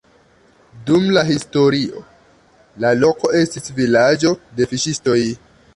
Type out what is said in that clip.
Dum la historio la loko estis vilaĝo de fiŝistoj.